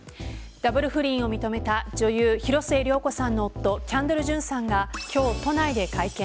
ダブル不倫を認めた女優・広末涼子さんの夫、キャンドル・ジュンさんが今日、都内で会見。